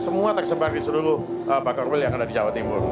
semua tersebar di seluruh bakar will yang ada di jawa timur